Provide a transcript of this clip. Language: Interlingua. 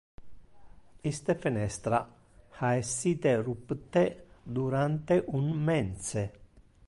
Iste fenestra ha essite rupte durante un mense.